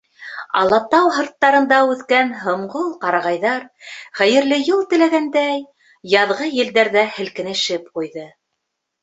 Алатау һырттарында үҫкән һомғол ҡарағайҙар, хәйерле юл теләгәндәй, яҙғы елдәрҙә һелкенешеп ҡуйҙы.